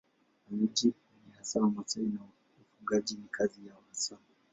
Wenyeji ni hasa Wamasai na ufugaji ni kazi yao hasa.